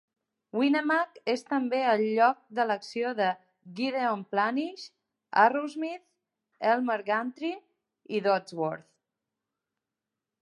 Winnemac és també el lloc de l'acció de "Gideon Planish", "Arrowsmith", "Elmer Gantry" i "Dodsworth".